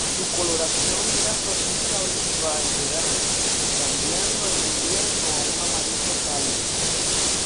Su coloración era rojiza oliva en verano, cambiando en invierno a un amarillo pálido.